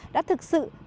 đã thực sự đạt được